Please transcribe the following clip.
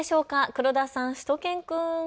黒田さん、しゅと犬くん。